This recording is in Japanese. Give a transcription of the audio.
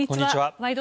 「ワイド！